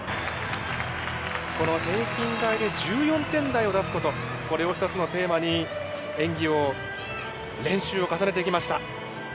この平均台で１４点台を出すこと、これを一つのテーマに、演技を、練習を重ねてきました。